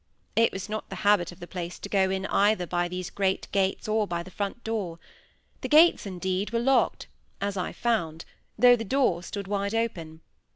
It was not the habit of the place to go in either by these great gates or by the front door; the gates, indeed, were locked, as I found, though the door stood wide open.